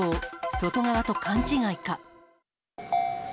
外側と勘違いか。